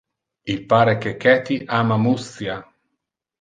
Il pare que Cathy ama muscia.